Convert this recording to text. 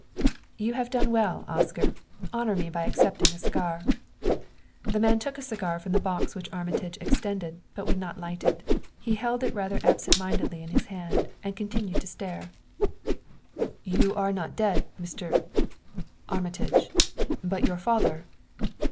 "Yon have done well, Oscar; honor me by accepting a cigar." The man took a cigar from the box which Armitage extended, but would not light it. He held it rather absent mindedly in his hand and continued to stare. "You are not dead, Mr. Armitage; but your father